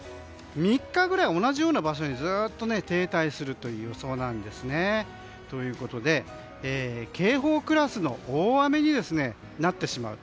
３日くらい同じような場所にずっと停滞する予想なんですね。ということで警報クラスの大雨になってしまう。